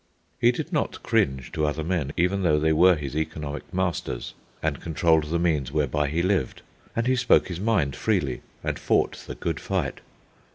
He did not cringe to other men, even though they were his economic masters, and controlled the means whereby he lived, and he spoke his mind freely, and fought the good fight.